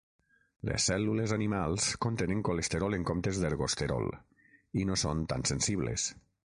Les cèl·lules animals contenen colesterol en comptes d'ergosterol i no són tan sensibles.